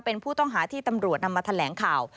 เป็นผู้ต้องหาที่ตำรวจนำมาแถลงข่าว